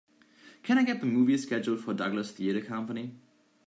Can I get the movie schedule for Douglas Theatre Company